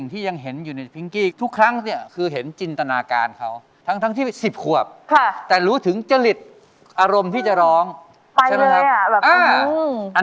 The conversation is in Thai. ที่เธอต้องเผชิญกับรักที่มีแต่ทุกความช้ำเท่านั้น